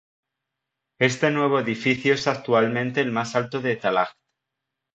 Este nuevo edificio es actualmente el más alto de Tallaght.